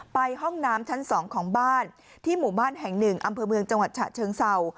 ห้องน้ำชั้น๒ของบ้านที่หมู่บ้านแห่งหนึ่งอำเภอเมืองจังหวัดฉะเชิงเศร้า